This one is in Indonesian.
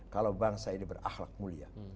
kalau bangsa ini berakhlak mulia